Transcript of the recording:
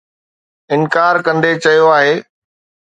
انڪار ڪندي چيو آهي